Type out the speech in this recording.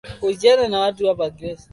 kaa tayari kusikiliza makala haya